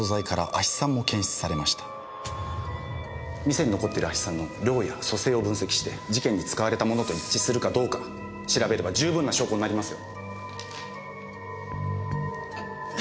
店に残ってる亜ヒ酸の量や組成を分析して事件に使われたものと一致するかどうか調べれば十分な証拠になりますよ。